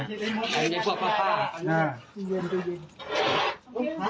นะ